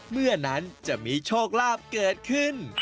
เมื่อนั้นจะมีโชคลาภเกิดขึ้น